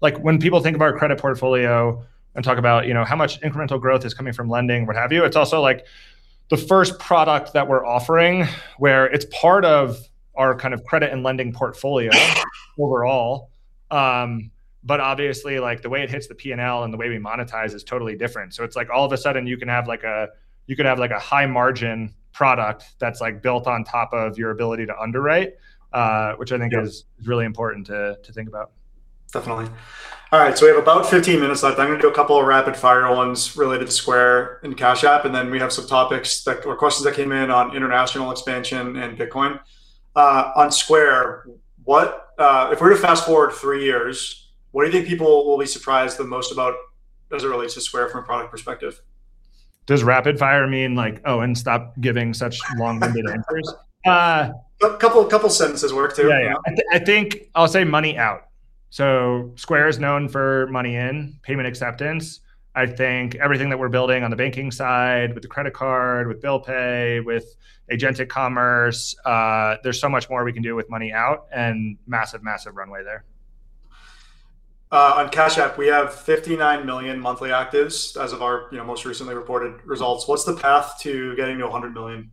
When people think of our credit portfolio and talk about how much incremental growth is coming from lending, what have you, it's also the first product that we're offering where it's part of our credit and lending portfolio overall. Obviously, the way it hits the P&L and the way we monetize is totally different. It's like all of a sudden you can have a high margin product that's built on top of your ability to underwrite, which I think is really important to think about. Definitely. All right, we have about 15 minutes left. I'm going to do a couple of rapid-fire ones related to Square and Cash App, and then we have some questions that came in on international expansion and Bitcoin. On Square, if we were to fast-forward three years, what do you think people will be surprised the most about as it relates to Square from a product perspective? Does rapid fire mean like, "Oh, and stop giving such long-winded answers? A couple sentences work too. Yeah. I think I'll say money out. Square is known for money in, payment acceptance. I think everything that we're building on the banking side with the credit card, with Bill Pay, with agentic commerce, there's so much more we can do with money out and massive runway there. On Cash App, we have 59 million monthly actives as of our most recently reported results. What's the path to getting to 100 million?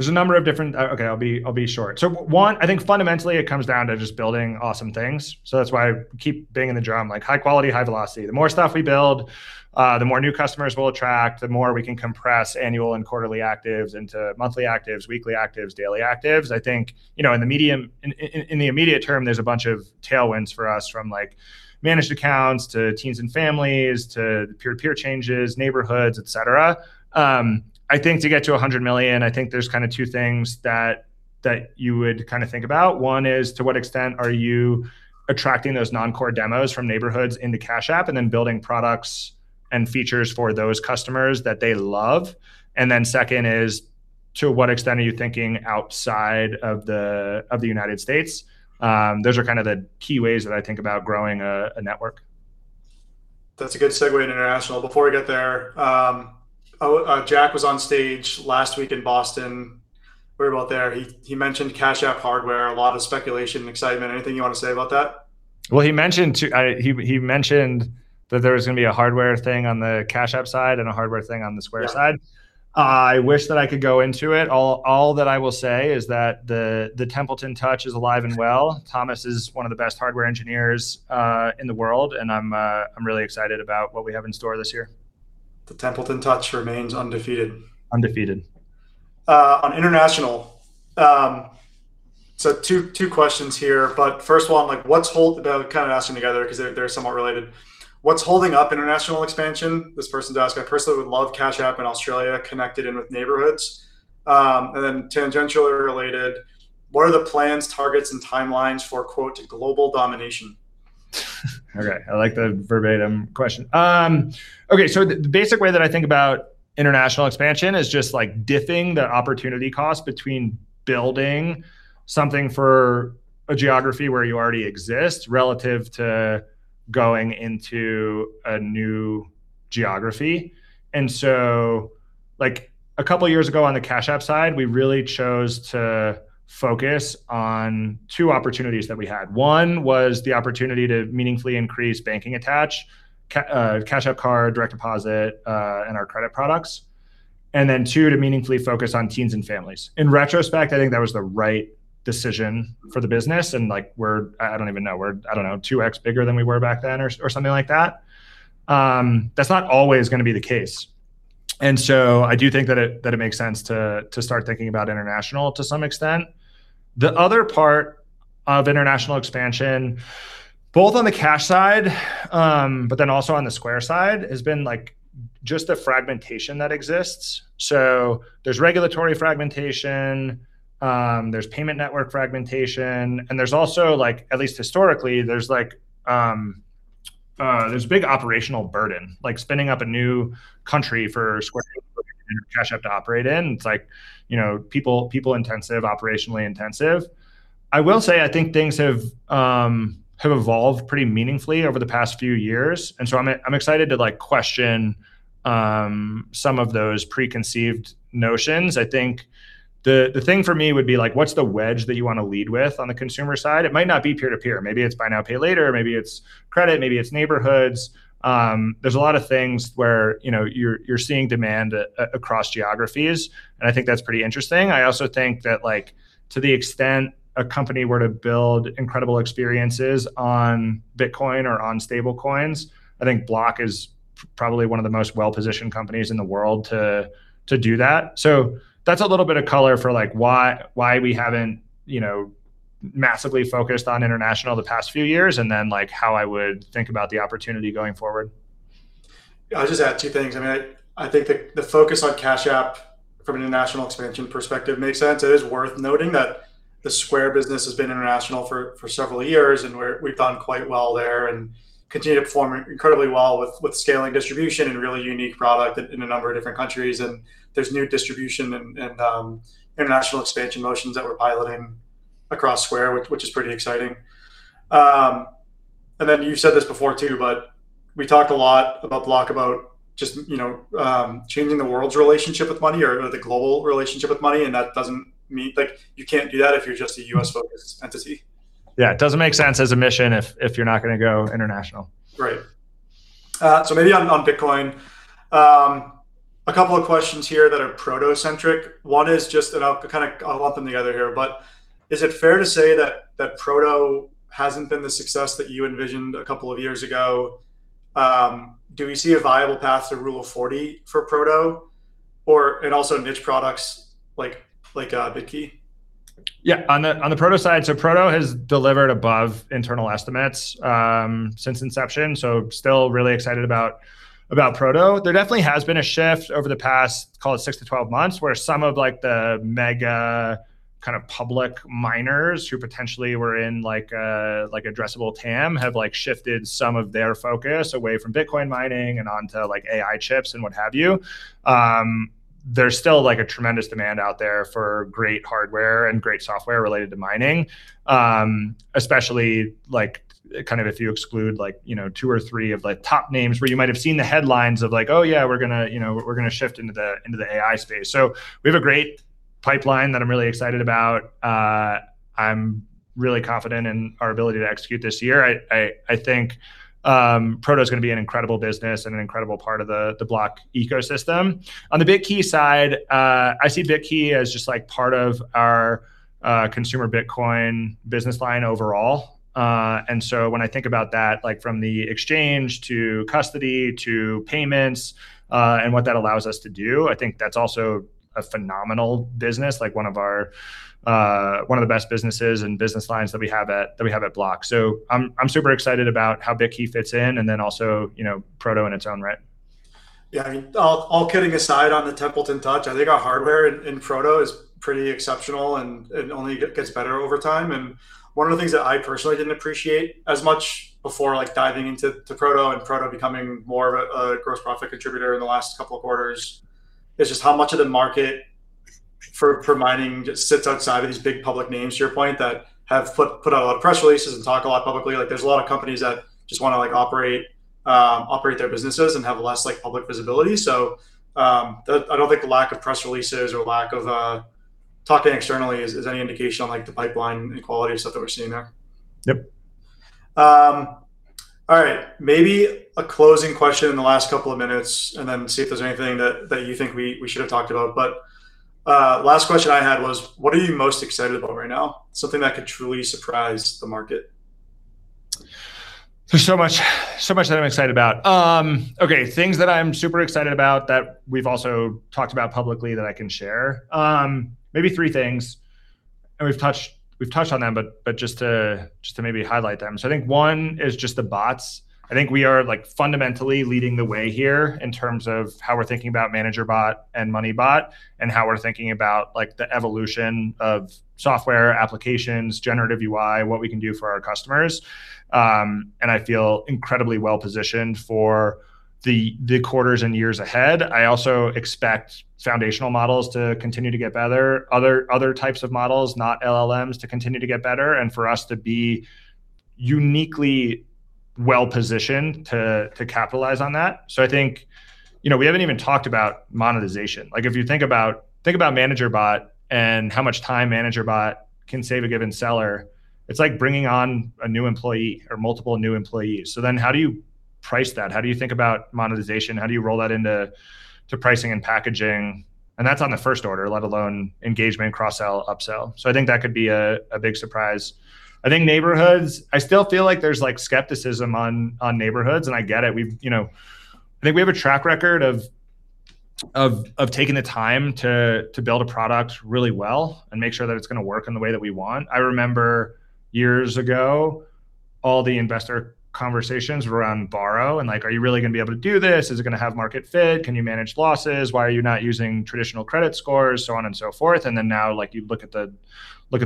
Okay, I'll be short. One, I think fundamentally it comes down to just building awesome things. That's why I keep banging the drum, high quality, high velocity. The more stuff we build, the more new customers we'll attract, the more we can compress annual and quarterly actives into monthly actives, weekly actives, daily actives. I think, in the immediate term, there's a bunch of tailwinds for us from managed accounts to teens and families, to peer-to-peer changes, Neighborhoods, et cetera. I think to get to 100 million, I think there's two things that you would think about. One is, to what extent are you attracting those non-core demos from neighborhoods into Cash App and then building products and features for those customers that they love? Then second is, to what extent are you thinking outside of the United States? Those are the key ways that I think about growing a network. That's a good segue to international. Before we get there, Jack was on stage last week in Boston. We were both there. He mentioned Cash App hardware, a lot of speculation and excitement. Anything you want to say about that? Well, he mentioned that there was going to be a hardware thing on the Cash App side and a hardware thing on the Square side. Yeah. I wish that I could go into it. All that I will say is that the Templeton Touch is alive and well. Thomas is one of the best hardware engineers in the world, and I'm really excited about what we have in store this year. The Templeton Touch remains undefeated. Undefeated. On international, two questions here, first of all, I'm asking together because they're somewhat related. What's holding up international expansion? This person's asked, "I personally would love Cash App in Australia connected in with Neighborhoods." Tangentially related, what are the plans, targets, and timelines for quote, "global domination? Okay. I like the verbatim question. Okay. The basic way that I think about international expansion is just diffing the opportunity cost between building something for a geography where you already exist relative to going into a new geography. Like a couple of years ago on the Cash App side, we really chose to focus on two opportunities that we had. One was the opportunity to meaningfully increase banking attach, Cash App Card, direct deposit, and our credit products. Then two, to meaningfully focus on teens and families. In retrospect, I think that was the right decision for the business, and like we're, I don't even know, we're, I don't know, 2x bigger than we were back then or something like that. That's not always going to be the case. So I do think that it makes sense to start thinking about international to some extent. The other part of international expansion, both on the Cash App side, on the Square side, has been like just the fragmentation that exists. There's regulatory fragmentation, there's payment network fragmentation, there's also like, at least historically, there's big operational burden. Like spinning up a new country for Square and Cash App to operate in, it's people intensive, operationally intensive. I will say, I think things have evolved pretty meaningfully over the past few years, I'm excited to like question some of those preconceived notions. I think the thing for me would be like, what's the wedge that you want to lead with on the consumer side? It might not be peer-to-peer. Maybe it's buy now, pay later, maybe it's credit, maybe it's Neighborhoods. There's a lot of things where you're seeing demand across geographies, I think that's pretty interesting. I also think that like to the extent a company were to build incredible experiences on Bitcoin or on stablecoins, I think Block is probably one of the most well-positioned companies in the world to do that. That's a little bit of color for like why we haven't massively focused on international the past few years and then like how I would think about the opportunity going forward. I'll just add two things. I think the focus on Cash App from an international expansion perspective makes sense. It is worth noting that the Square business has been international for several years, and we've done quite well there and continue to perform incredibly well with scaling distribution and really unique product in a number of different countries. There's new distribution and international expansion motions that we're piloting across Square, which is pretty exciting. You said this before too, but we talked a lot about Block, about just changing the world's relationship with money or the global relationship with money, and that doesn't mean like you can't do that if you're just a U.S. focused entity. Yeah. It doesn't make sense as a mission if you're not going to go international. Maybe on Bitcoin, a couple of questions here that are Proto-centric. One is just about, kind of I'll lump them together here, but is it fair to say that Proto hasn't been the success that you envisioned a couple of years ago? Do we see a viable path to Rule 40 for Proto or, and also niche products like Bitkey? On the Proto side, Proto has delivered above internal estimates since inception, so still really excited about Proto. There definitely has been a shift over the past, call it 6 to 12 months, where some of like the mega kind of public miners who potentially were in like addressable TAM have shifted some of their focus away from Bitcoin mining and onto like AI chips and what have you. There's still like a tremendous demand out there for great hardware and great software related to mining, especially like kind of if you exclude like two or three of like top names where you might have seen the headlines of like, "Oh, yeah, we're going to shift into the AI space." We have a great pipeline that I'm really excited about. I'm really confident in our ability to execute this year. I think Proto's going to be an incredible business and an incredible part of the Block ecosystem. On the Bitkey side, I see Bitkey as just like part of our consumer Bitcoin business line overall. When I think about that, like from the exchange to custody, to payments, and what that allows us to do, I think that's also a phenomenal business, like one of the best businesses and business lines that we have at Block. I'm super excited about how Bitkey fits in, and then also Proto in its own right. Yeah. I mean, all kidding aside on the Templeton touch, I think our hardware in Proto is pretty exceptional and it only gets better over time. One of the things that I personally didn't appreciate as much before, like diving into Proto and Proto becoming more of a gross profit contributor in the last couple of quarters, is just how much of the market for mining just sits outside of these big public names, to your point, that have put out a lot of press releases and talk a lot publicly. There's a lot of companies that just want to like operate their businesses and have less like public visibility. I don't think the lack of press releases or lack of talking externally is any indication on like the pipeline and quality of stuff that we're seeing there. Yep. All right. Maybe a closing question in the last couple of minutes, and then see if there's anything that you think we should've talked about. Last question I had was, what are you most excited about right now? Something that could truly surprise the market. There's so much that I'm excited about. Okay, things that I'm super excited about that we've also talked about publicly that I can share. Maybe three things, and we've touched on them, but just to maybe highlight them. I think one is just the bots. I think we are like fundamentally leading the way here in terms of how we're thinking about ManagerBot and MoneyBot and how we're thinking about like the evolution of software applications, Generative UI, what we can do for our customers. I feel incredibly well-positioned for the quarters and years ahead. I also expect foundational models to continue to get better, other types of models, not LLMs, to continue to get better and for us to be uniquely well-positioned to capitalize on that. I think we haven't even talked about monetization. If you think about ManagerBot and how much time ManagerBot can save a given seller, it's like bringing on a new employee or multiple new employees. How do you price that? How do you think about monetization? How do you roll that into pricing and packaging? That's on the first order, let alone engagement, cross-sell, upsell. I think that could be a big surprise. I think Neighborhoods, I still feel like there's skepticism on Neighborhoods, and I get it. I think we have a track record of taking the time to build a product really well and make sure that it's going to work in the way that we want. I remember years ago, all the investor conversations were around Cash App Borrow and like, Are you really going to be able to do this? Is it going to have market fit? Can you manage losses? Why are you not using traditional credit scores?" On and so forth. Now, you look at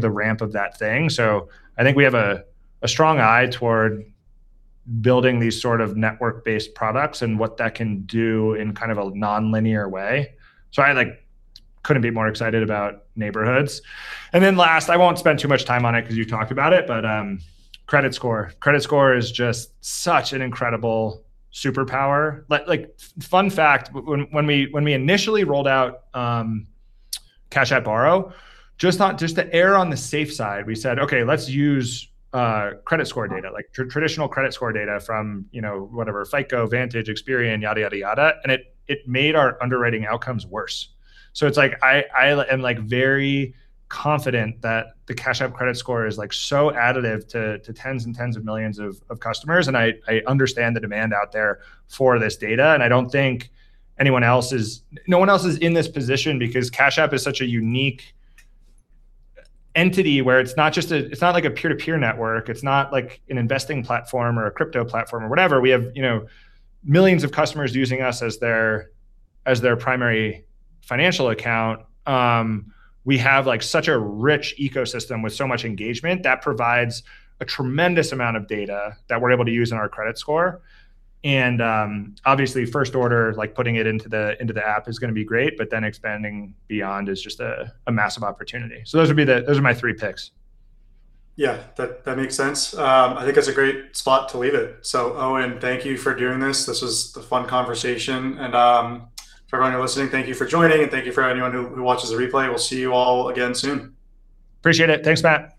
the ramp of that thing. I think we have a strong eye toward building these sort of network-based products and what that can do in kind of a nonlinear way. I couldn't be more excited about Neighborhoods. Last, I won't spend too much time on it because you talked about it, Credit Score. Credit Score is just such an incredible superpower. Fun fact, when we initially rolled out Cash App Borrow, just to err on the safe side, we said, "Okay, let's use credit score data," like traditional credit score data from, whatever, FICO, Vantage, Experian, yada, yada, and it made our underwriting outcomes worse. I am very confident that the Cash App Credit Score is so additive to tens and tens of millions of customers, and I understand the demand out there for this data, and I don't think No one else is in this position because Cash App is such a unique entity where it's not like a peer-to-peer network. It's not like an investing platform or a crypto platform or whatever. We have millions of customers using us as their primary financial account. We have such a rich ecosystem with so much engagement that provides a tremendous amount of data that we're able to use in our credit score. Obviously first order, like putting it into the app is going to be great, but then expanding beyond is just a massive opportunity. Those are my three picks. Yeah. That makes sense. I think that's a great spot to leave it. Owen, thank you for doing this. This was a fun conversation. For everyone who are listening, thank you for joining, and thank you for anyone who watches the replay. We'll see you all again soon. Appreciate it. Thanks, Matt. Cheers.